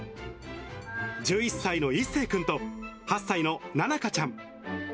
１１歳のいっせい君と、８歳のななかちゃん。